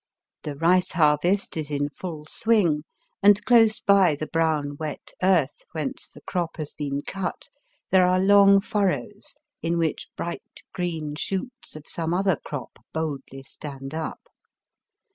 The rice harvest is in full swing, and close by the brown wet earth whence the crop has been cut there are long furrows in which bright green shoots of Digitized by VjOOQIC 272 BAST BY WEST, some other crop boldly stand up.